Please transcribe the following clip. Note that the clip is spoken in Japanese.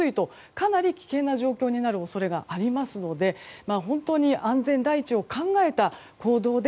かなり危険な状況になる恐れがありますので本当に安全第一を考えた行動で